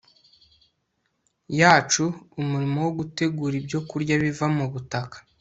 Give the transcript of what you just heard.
yacu umurimo wo gutegura ibyokurya biva mu butaka